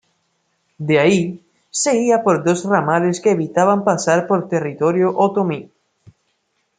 De ahí, seguía por dos ramales que evitaban pasar por territorio Otomí.